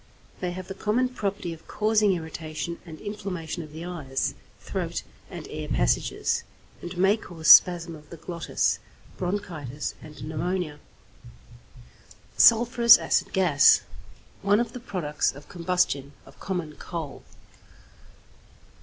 They have the common property of causing irritation and inflammation of the eyes, throat, and air passages, and may cause spasm of the glottis, bronchitis, and pneumonia. =Sulphurous Acid Gas.= One of the products of combustion of common coal.